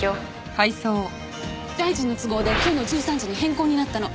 大臣の都合で今日の１３時に変更になったの。